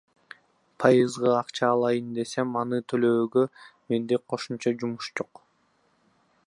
Пайызга акча алайын десем, аны төлөөгө менде кошумча жумушум жок.